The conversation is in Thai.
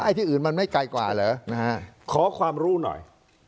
ที่อื่นมันไม่ไกลกว่าเหรอนะฮะขอความรู้หน่อย